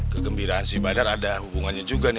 kegembiraan si badar ada hubungannya juga nih